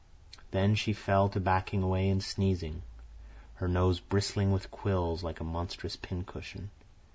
Then she fell to backing away and sneezing, her nose bristling with quills like a monstrous pin cushion.